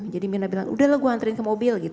jadi mina bilang udah lah gue anterin ke mobil gitu